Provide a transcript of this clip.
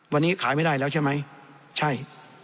วันนี้ขายไม่ได้แล้วใช่ไหมใช่